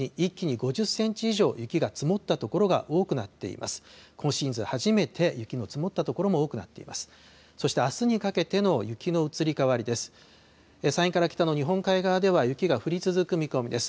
初めて雪の積もった所も多くなっています。